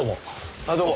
ああどうも。